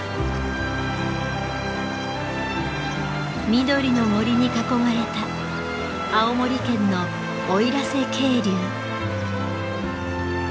緑の森に囲まれた青森県の奥入瀬渓流。